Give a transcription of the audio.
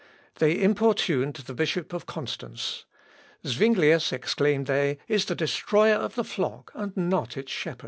They importuned the Bishop of Constance. "Zuinglius," exclaimed they, "is the destroyer of the flock, and not its shepherd."